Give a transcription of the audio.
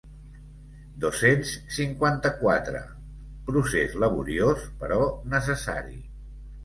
Dos-cents cinquanta-quatre procés laboriós però necessari.